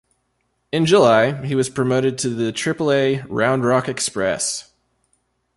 In July, he was promoted to the Triple-A Round Rock Express.